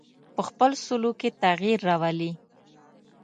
په خپل سلوک کې تغیر راولي.